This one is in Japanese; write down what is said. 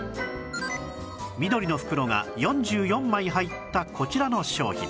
緑の袋が４４枚入ったこちらの商品